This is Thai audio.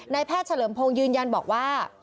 แพทย์เฉลิมพงศ์ยืนยันบอกว่า